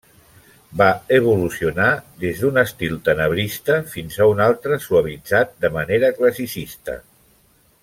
Va evolucionar des d'un estil tenebrista fins a un altre suavitzat de manera classicista.